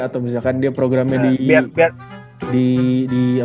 atau misalkan dia programnya di apa